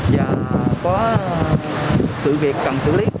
và có sự việc cần xử lý